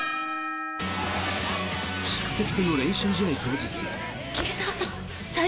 宿敵との練習試合当日。